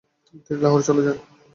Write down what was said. তিনি লাহোর চলে যান।